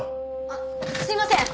あすいません！